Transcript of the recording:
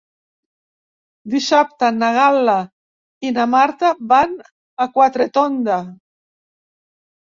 Dissabte na Gal·la i na Marta van a Quatretonda.